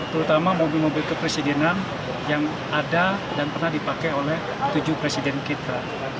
terutama mobil mobil kepresidenan yang ada dan pernah dipakai oleh tujuh presiden kita